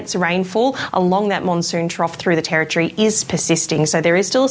di sepanjang monsoon trough di teritori itu masih terus berlangsung